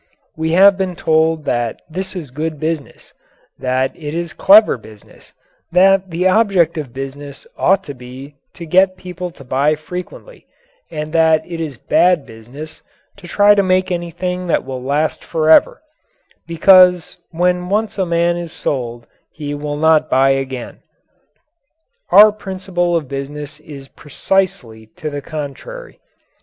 We have been told that this is good business, that it is clever business, that the object of business ought to be to get people to buy frequently and that it is bad business to try to make anything that will last forever, because when once a man is sold he will not buy again. Our principle of business is precisely to the contrary.